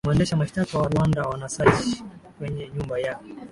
mwendesha mashtaka wa rwanda wanesearch kwenye nyumba ya